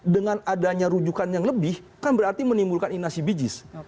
dengan adanya rujukan yang lebih kan berarti menimbulkan inasi bijis